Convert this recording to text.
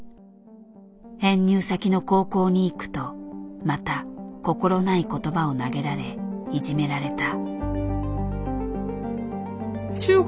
編入先の高校に行くとまた心ない言葉を投げられいじめられた。